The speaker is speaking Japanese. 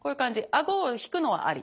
顎を引くのはあり。